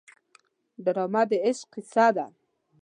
ډرامه د عشق کیسه ده